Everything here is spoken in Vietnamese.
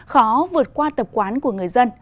khó vượt qua tập quán của người dân